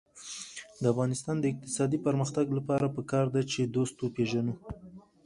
د افغانستان د اقتصادي پرمختګ لپاره پکار ده چې دوست وپېژنو.